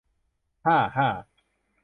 ฮ่า ฮ่า